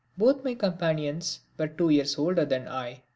Both my companions were two years older than I.